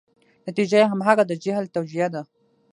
نتیجه یې همغه د جهل توجیه ده.